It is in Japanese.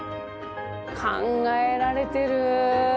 考えられてる。